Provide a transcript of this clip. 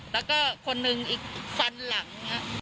และลูกหนึ่งอีกฟันหลัง